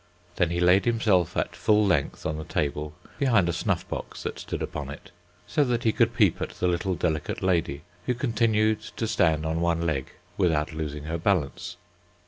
Then he laid himself at full length on the table behind a snuff box that stood upon it, so that he could peep at the little delicate lady, who continued to stand on one leg without losing her balance.